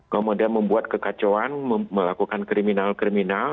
kemudian membuat kekacauan melakukan kriminal kriminal